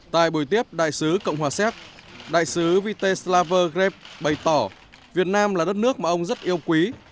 tại buổi tiếp đại sứ cộng hòa xéc đại sứ viteslav greb bày tỏ việt nam là đất nước mà ông rất yêu quý